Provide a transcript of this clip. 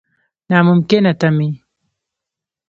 نا ممکنه تمې.